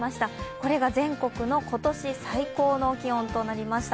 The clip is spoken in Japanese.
これが全国の今年最高の気温となりました。